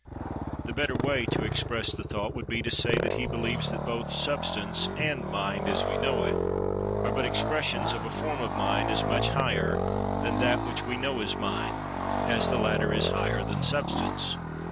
The better way to express the thought would be to say that he believes that both Substance, and Mind as we know it, are but expressions of a form of Mind as much higher than that which we know as Mind, as the latter is higher than Substance.